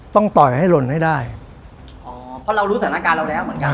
ต่อยให้หล่นให้ได้อ๋อเพราะเรารู้สถานการณ์เราแล้วเหมือนกัน